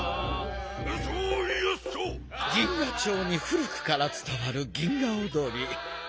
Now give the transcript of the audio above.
銀河町に古くからつたわる銀河おどりいかがですか？